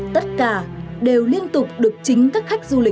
tất cả đều liên tục được chính các khách du lịch